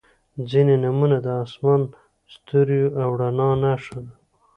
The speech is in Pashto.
• ځینې نومونه د آسمان، ستوریو او رڼا نښه ده.